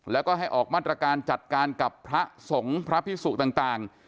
แล้วก็ให้ออกมาตรการจัดการกับพระสงฆ์พระพิสุต่าง